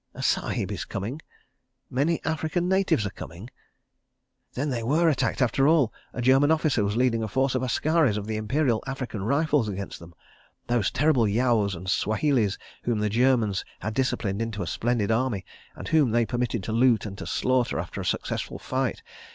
"A sahib is coming. ... Many African natives are coming!" ... Then they were attacked after all! A German officer was leading a force of askaris of the Imperial African Rifles against them—those terrible Yaos and Swahilis whom the Germans had disciplined into a splendid army, and whom they permitted to loot and to slaughter after a successful fight.